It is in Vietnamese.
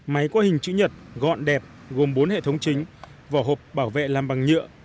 máy có hình chữ nhật gọn đẹp gồm bốn hệ thống chính vỏ hộp bảo vệ làm bằng nhựa